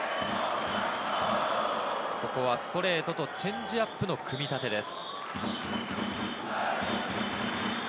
ここはストレートとチェンジアップの組み立てです。